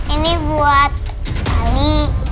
ini buat ini